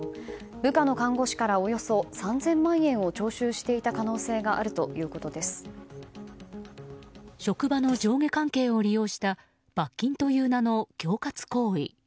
部下の看護師からおよそ３０００万円を徴収していた可能性がある職場の上下関係を利用した罰金という名の恐喝行為。